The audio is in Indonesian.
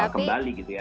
kembali gitu ya